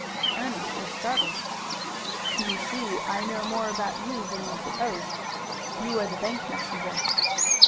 Ernest was startled. "You see, I know more about you than you suppose. You are the bank messenger."